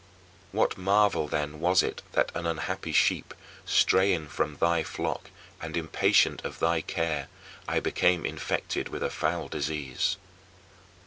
What marvel then was it that an unhappy sheep, straying from thy flock and impatient of thy care, I became infected with a foul disease?